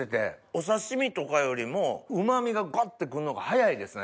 お刺し身とかよりもうま味がガッて来んのが早いですね。